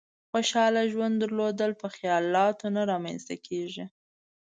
خوشحاله ژوند درلودل په خيالاتو نه رامېنځ ته کېږي.